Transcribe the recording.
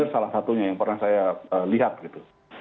salah satunya yang pernah saya lihat gitu